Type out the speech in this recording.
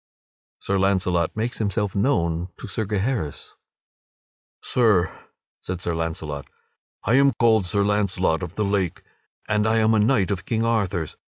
[Sidenote: Sir Launcelot makes himself known to Sir Gaheris] "Sir," said Sir Launcelot, "I am called Sir Launcelot of the Lake, and I am a knight of King Arthur's.